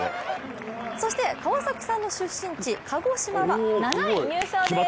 そして川崎さんの出身地鹿児島は７位入賞です。